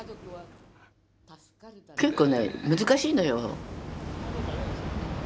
結構ね難しいのよ。